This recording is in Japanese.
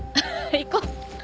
行こう。